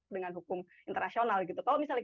dengan hukum internasional gitu kalau misalnya